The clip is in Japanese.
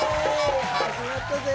始まったぜい！